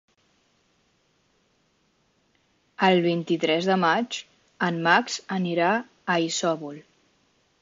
El vint-i-tres de maig en Max anirà a Isòvol.